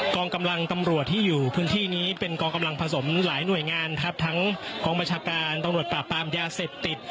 กองกำลังตำรวจที่อยู่พื้นที่นี้เป็นกองกำลังผสมหลายหน่วยงานครับทั้งกองบัญชาการตำรวจปราบปรามยาเสพติด